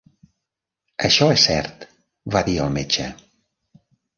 "Això és cert", va dir el metge.